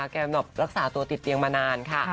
แกบำนับรักษาตัวติดเตียงมานาน